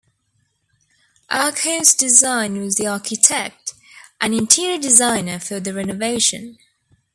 Arkos Design was the architect and interior designer for the renovation.